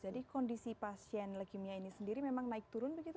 jadi kondisi pasien leukemia ini sendiri memang naik turun begitu ibu